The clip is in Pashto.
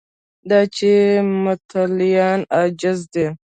دا چې متولیان عاجزه دي